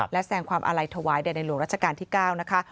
และแสงความอาลัยถวายแด่ในหลวงรัชกาลที่๙นะคะ